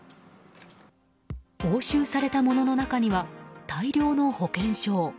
押収されたものの中には大量の保険証。